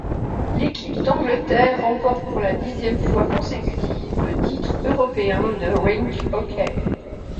L'équipe d'Angleterre remporte pour la dixième fois consécutive le titre européen de rink hockey.